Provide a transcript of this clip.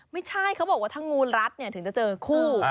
ไม่ใช่เขาบอกว่าถ้างูรัดถึงจะเจอคู่